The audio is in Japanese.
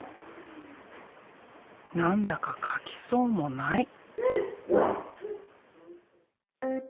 何だか描きそうもない。